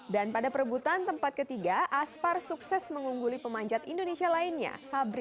dan pada perebutan tempat ketiga aspar sukses mengungguli pemancat indonesia lainnya fabri